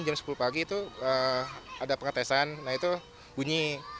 pada pukul pagi itu ada pengetesan nah itu bunyi